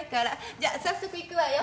じゃ早速行くわよ。